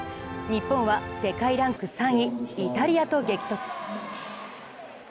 日本は世界ランク３位、イタリアと激突。